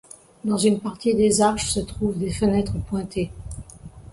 Dans une partie des arches se trouvent des fenêtres pointées.